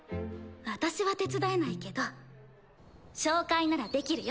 私は手伝えないけど紹介ならできるよ。